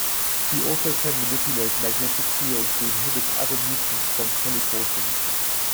She also can manipulate magnetic fields to inhibit other mutants from teleporting.